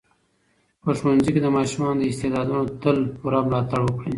په ښوونځي کې د ماشومانو د استعدادونو تل پوره ملاتړ وکړئ.